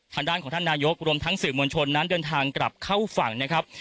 ทางด้านของท่านนายกรวมทั้งสื่อมวลชนนั้นเดินทางกลับเข้าฝั่งนะครับ